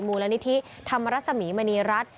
มูลนิธิธรรมรสมีมณีรัฐ